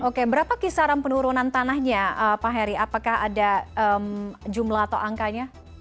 oke berapa kisaran penurunan tanahnya pak heri apakah ada jumlah atau angkanya